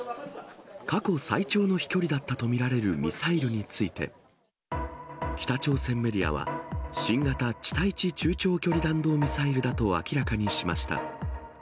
過去最長の飛距離だったと見られるミサイルについて、北朝鮮メディアは、新型地対地中長距離弾道ミサイルだと明らかにしました。